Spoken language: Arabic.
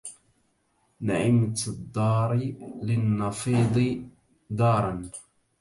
نعمت الدار للنفيض دارا